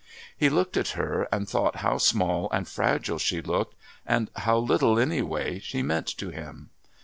He looked at her and thought how small and fragile she looked and how little, anyway, she meant to him.